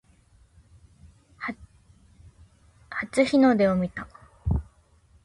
初日の出を見た